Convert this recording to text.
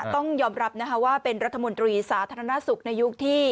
ต้องยอมรับนะคะว่าเป็นรัฐมนตรีสาธารณสุขในยุคที่